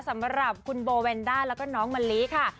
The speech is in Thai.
สำหรับคุณโบแวนด้าแล้วก็น้องมะลิค่ะ